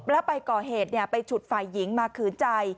แล้วไปก่อเหตุไปฉุดฝ่ายหญิงมาขืนใจ